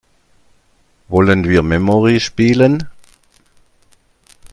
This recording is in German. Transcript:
Wollen wir Memory spielen?